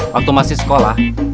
waktu masih sekolah